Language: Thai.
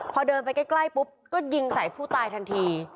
พอเดินไปใกล้ปุ๊บก็ยิงใส่ผู้ตายทันที